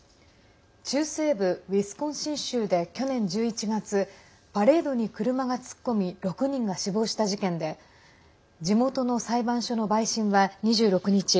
中西部ウィスコンシン州で去年１１月パレードに車が突っ込み６人が死亡した事件で地元の裁判所の陪審は２６日